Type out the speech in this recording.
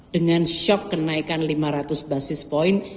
dengan shock kenaikan lima ratus basis point